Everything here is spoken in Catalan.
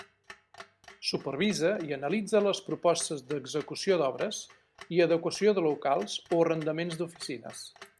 Supervisa i analitza les propostes d'execució d'obres i adequació de locals o arrendaments d'oficines.